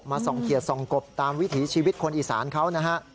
ส่องเขียดส่องกบตามวิถีชีวิตคนอีสานเขานะฮะ